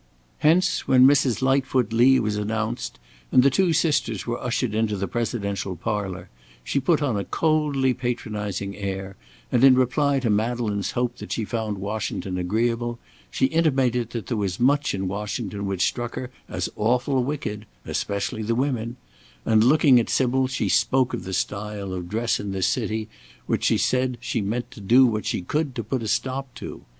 Hence, when Mrs. Lightfoot Lee was announced, and the two sisters were ushered into the presidential parlour, she put on a coldly patronizing air, and in reply to Madeleine's hope that she found Washington agreeable, she intimated that there was much in Washington which struck her as awful wicked, especially the women; and, looking at Sybil, she spoke of the style of dress in this city which she said she meant to do what she could to put a stop to.